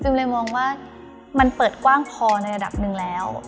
เลยมองว่ามันเปิดกว้างพอในระดับหนึ่งแล้ว